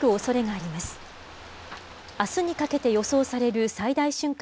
あすにかけて予想される最大瞬間